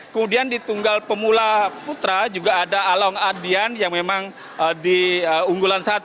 kemudian di tunggal pemula putra juga ada along ardian yang memang di unggulan satu